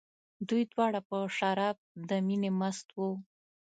دوی دواړه په شراب د مینې مست وو.